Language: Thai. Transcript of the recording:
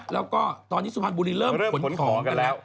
แล้วก็ตอนนี้สุพรรณบุรีเริ่มขนของกันแล้ว